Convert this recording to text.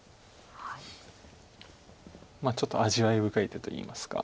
ちょっと味わい深い手といいますか。